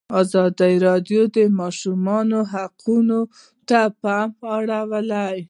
ازادي راډیو د د ماشومانو حقونه ته پام اړولی.